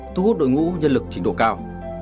thu hút đội ngũ nhân lực trình độ cao